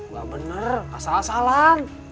gak bener asal asalan